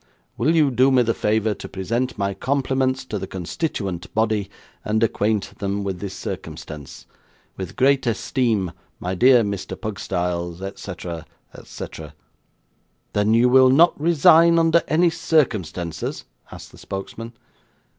'Will you do me the favour to present my compliments to the constituent body, and acquaint them with this circumstance? 'With great esteem, 'My dear Mr. Pugstyles, '&c.&c.' 'Then you will not resign, under any circumstances?' asked the spokesman.